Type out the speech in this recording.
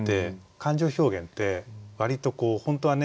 感情表現って割と本当はね